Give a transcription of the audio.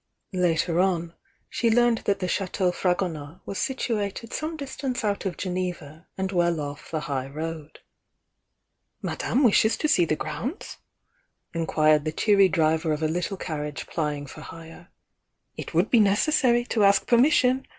Later on, she learned that the Chateau Fragonard was situated some distance out of Geneva and well off the high road. "Madame wishes to see the grounds?" inquired the cheery driver of a httle carriage plying for hire. "It would be necessary to ask permission.